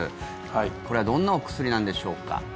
これはどんなお薬なんでしょうか。